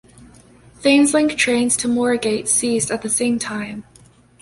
Thameslink trains to Moorgate ceased at the same time.